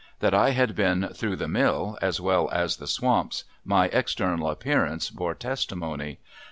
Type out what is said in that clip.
That I had been "through the mill" as well as the swamps, my external appearance bore testimony.